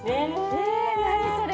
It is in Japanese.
え何それ？